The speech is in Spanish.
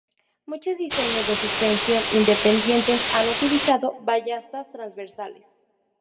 Muchos diseños de suspensión independientes han utilizado ballestas transversales.